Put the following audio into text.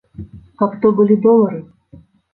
Каб то былі долары!